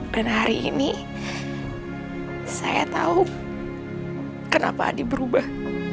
dan hari ini saya tahu kenapa adi berubah